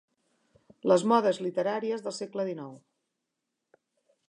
Les modes literàries del segle dinou.